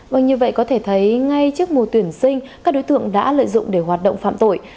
vâng như vậy có thể thấy ngay trước mùa tuyển sinh các đối tượng đã lợi dụng để hoạt động phạm tội